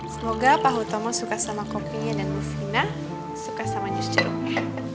semoga pak hutomo suka sama kopinya dan miskinan suka sama jus jeruknya